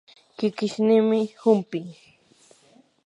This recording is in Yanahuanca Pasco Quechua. kikishniimi humpin.